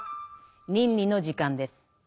倫理の時間です。